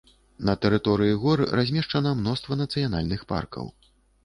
На тэрыторыі гор размешчана мноства нацыянальных паркаў.